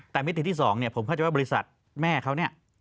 แต่มิติที่สองผมคิดว่าบริษัทแม่เขา